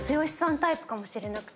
タイプかもしれなくて。